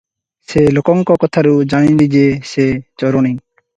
ସେ ଲୋକଙ୍କ କଥାରୁ ଜାଣିଲେ ଯେ ସେ ଚୋରଣୀ ।